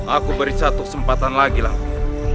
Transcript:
aku beri satu kesempatan lagi lah